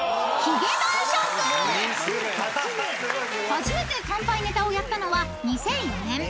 ［初めて乾杯ネタをやったのは２００４年］